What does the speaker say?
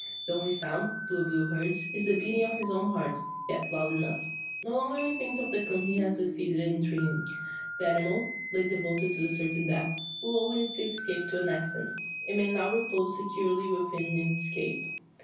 The only sound, Blue Bill hears, is the beating of his own heart, yet loud enough. No longer thinks he of the coon he has succeeded in treeing. The animal, late devoted to certain death, will owe its escape to an accident, and may now repose securely within its cave.